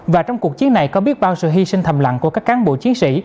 và trong cuộc chiến này có biết bao sự hy sinh thầm lặng của các cán bộ chiến sĩ